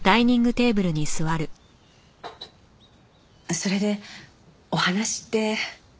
それでお話って？